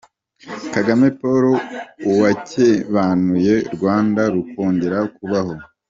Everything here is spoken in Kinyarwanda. Kagame Paul: Uwakebanuye u Rwanda, rukongera kubaho.